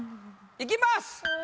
いきます！